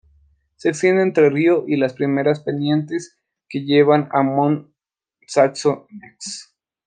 Se extiende entre el río y las primeras pendientes que llevan a Mont-Saxonnex.